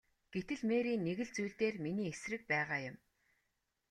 Гэтэл Мэри нэг л зүйл дээр миний эсрэг байгаа юм.